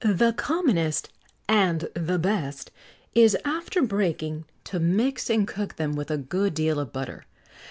The commonest and the best is, after breaking, to mix and cook them with a good deal of butter.